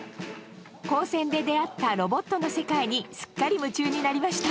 高専で出会った「ロボットの世界」にすっかり夢中になりました。